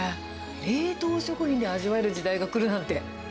冷凍食品で味わえる時代が来るなんて。